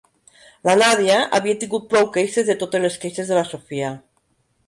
La Nadia havia tingut prou queixes de totes les queixes de la Sofia.